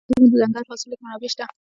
په افغانستان کې د دځنګل حاصلات منابع شته.